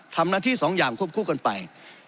ทำหน้าที่สองอย่างควบคู่กันไป